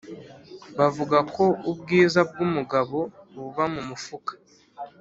Bavuga ko ubwiza bw’ umugabo buba mu mufuka